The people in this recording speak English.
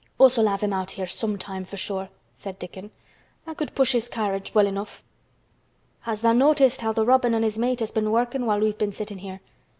"Us'll have him out here sometime for sure," said Dickon. "I could push his carriage well enough. Has tha' noticed how th' robin an' his mate has been workin' while we've been sittin' here?